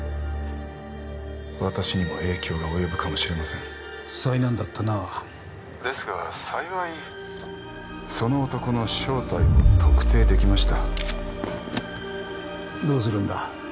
私にも影響が及ぶかもしれません災難だったなあ☎ですが幸いその男の正体を特定できましたどうするんだ？